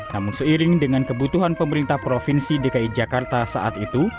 namun seiring dengan kebutuhan pemerintah provinsi dki jakarta saat itu